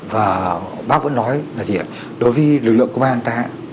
và bác vẫn nói là đối với lực lượng công an ta